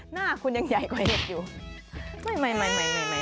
หน้าคุณยังใหญ่กว่าเด็กอยู่